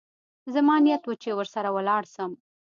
زما نيت و چې ورسره ولاړ سم.